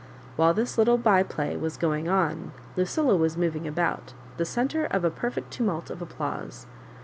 While this little by play was going on, Lucilla was moving about, the centre of a perfect tumult of applause.